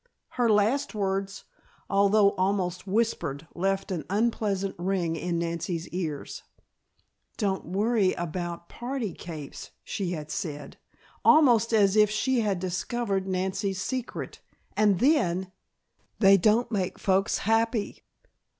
Her last words, although almost whispered, left an unpleasant ring in Nancy's ears. "Don't worry about party capes," she had said, almost as if she had discovered Nancy's secret. And then: "They don't make folks happy!"